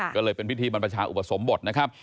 ก็เลยเป็นพิธีบรรพชาอุปสมบทนะครับ